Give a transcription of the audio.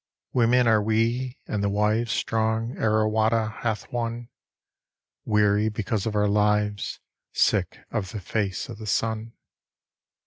Women are we, and the wives Strong Arrawatta hath won; Weary because of our lives, Sick of the face of the sun.